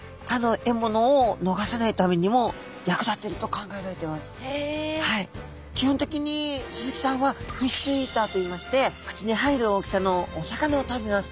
これが基本的にスズキちゃんはフィッシュイーターといいまして口に入る大きさのお魚を食べます。